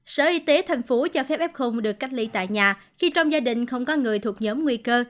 sở y tế tp hcm cho phép f được cách ly tại nhà khi trong gia đình không có người thuộc nhóm nguy cơ